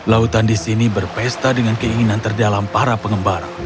lautan di sini berpesta dengan keinginan terdalam para pengembara